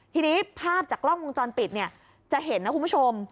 ทีนี้ภาพจากกล้องวงจรปิดเนี่ยจะเห็นนะคุณผู้ชม